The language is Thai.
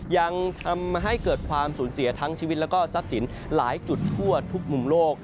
ยังทำให้เกิดความสูญเสียทั้งชีวิตแล้วก็ทรัพย์สินหลายจุดทั่วทุกมุมโลก